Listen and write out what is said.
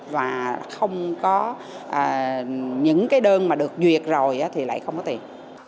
và không có những cái đơn mà được duyệt rồi thì lại không có tiền